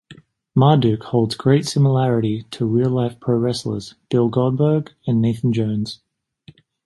Marduk holds great similarity to real-life pro wrestlers, Bill Goldberg and Nathan Jones.